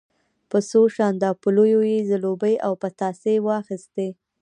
په څو شانداپولیو یې زلوبۍ او پتاسې واخیستې.